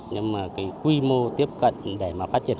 nhưng mà cái quy mô tiếp cận để mà phát triển